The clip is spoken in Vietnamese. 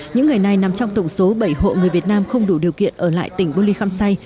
những người này nằm trong tổng số bảy hộ người việt nam không đủ điều kiện ở lại tỉnh bô ly khăm say